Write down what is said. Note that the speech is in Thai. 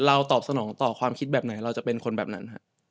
ตอบสนองต่อความคิดแบบไหนเราจะเป็นคนแบบนั้น